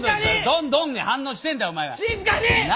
ドンドンに反応してんだよお前が。